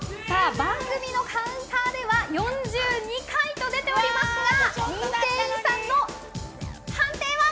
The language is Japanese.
番組のカウンターでは４２回と出ていますが、認定員さんの判定は？